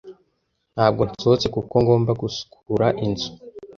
Ntabwo nsohotse kuko ngomba gusukura inzu.